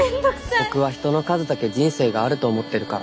ボクは人の数だけ人生があると思ってるから。